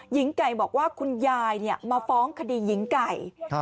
หญิงไก่บอกว่าคุณยายมาฟ้องคดีหญิงไก่